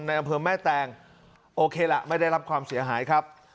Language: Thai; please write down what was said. อำเภอแม่แตงโอเคล่ะไม่ได้รับความเสียหายครับ